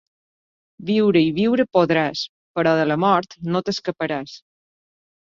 Viure i viure podràs, però de la mort no t'escaparàs.